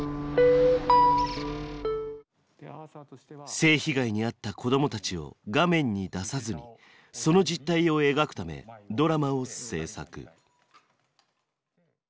性被害にあった子どもたちを画面に出さずにその実態を描くためドラマを制作。